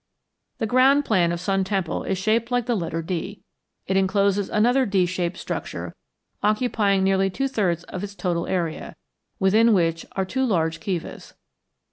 The ground plan of Sun Temple is shaped like the letter D. It encloses another D shaped structure occupying nearly two thirds of its total area, within which are two large kivas.